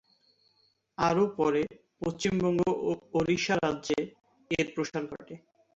আরও পরে পশ্চিমবঙ্গ ও ওড়িশা রাজ্যে এর প্রসার ঘটে।